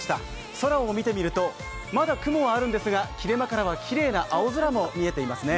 空を見てみると、まだ雲はあるんですが、切れ間からはきれいな青空も見えていますね。